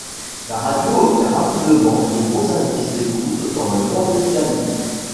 La radio obtient rapidement de bons indices d'écoute dans le nord de l'italie.